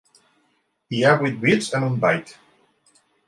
Hi ha vuit bits en un byte.